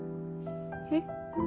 えっ。